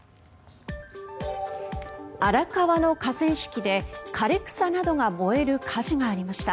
荒川の河川敷で枯れ草などが燃える火事がありました。